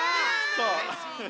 そう！